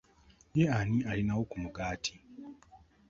Ye ani ayinawo ku mugaati?